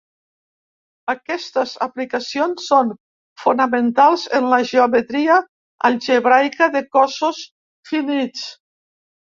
Aquestes aplicacions són fonamentals en la geometria algebraica de cossos finits.